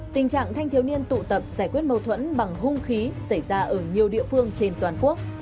tình trạng thanh thiếu niên tụ tập giải quyết mâu thuẫn bằng hung khí xảy ra ở nhiều địa phương trên toàn quốc